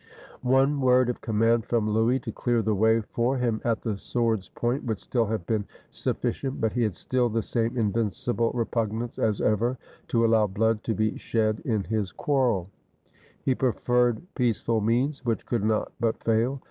One word of command from Louis to clear the way for him at the sword's point would still have been suflS cient; but he had still the same invincible repugnance as ever to allow blood to be shed in his quarrel. He 301 FRANCE preferred peaceful means, which could not but fail.